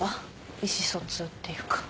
意思疎通っていうか。